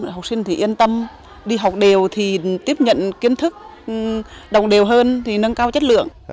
học sinh thì yên tâm đi học đều thì tiếp nhận kiến thức đồng đều hơn thì nâng cao chất lượng